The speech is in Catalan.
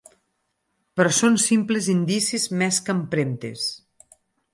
Però són simples indicis més que empremtes.